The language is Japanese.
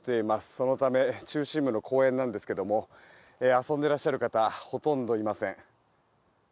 そのため中心部の公園なんですが遊んでらっしゃる方はほとんどいません。